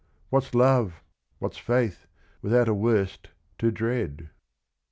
What 'a love, what 's faith, without a worst to dread?